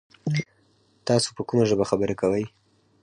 تاسو په کومه ژبه خبري کوی ؟